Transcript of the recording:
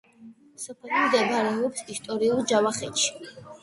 სოფელი მდებარეობს ისტორიულ ჯავახეთში.